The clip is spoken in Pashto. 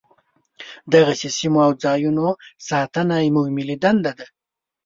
دغسې سیمو او ځاینونو ساتنه زموږ ملي دنده ده.